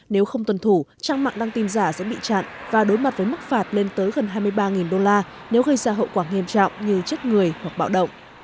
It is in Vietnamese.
nếu không tuân thủ trang mạng đăng tin giả sẽ bị chặn và đối mặt với mức phạt lên tới gần hai mươi ba đô la nếu gây ra hậu quả nghiêm trọng như chết người hoặc bạo động